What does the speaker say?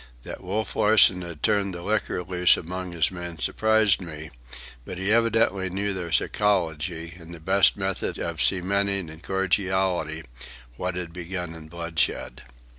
That Wolf Larsen had turned the liquor loose among his men surprised me, but he evidently knew their psychology and the best method of cementing in cordiality, what had begun in bloodshed.